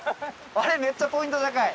あれめっちゃポイント高い。